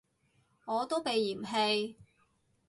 我都被嫌棄